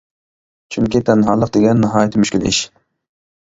چۈنكى، تەنھالىق دېگەن ناھايىتى مۈشكۈل ئىش.